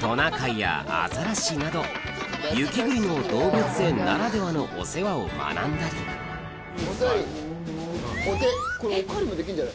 トナカイやアザラシなど雪国の動物園ならではのお世話を学んだりこれおかわりもできんじゃない？